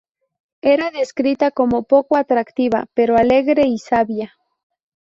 Era descrita como poco atractiva, pero alegre y sabia.